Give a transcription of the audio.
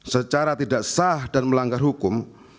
secara tidak sah dan melanggar hukum